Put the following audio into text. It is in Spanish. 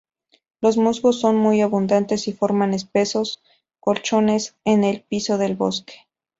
Los musgos son muy abundantes y forman espesos colchones en el piso del bosque.